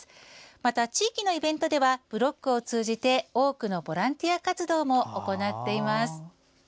また、地域のイベントではブロックを通じて多くのボランティア活動も行っています。